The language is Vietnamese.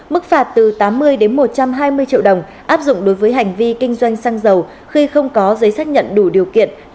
mức phạt từ tám mươi một trăm hai mươi triệu đồng áp dụng đối với hành vi kinh doanh xăng dầu khi không có giấy xác nhận đủ điều kiện